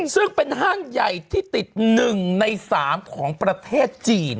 ซึ่งเป็นห้างใหญ่ที่ติด๑ใน๓ของประเทศจีน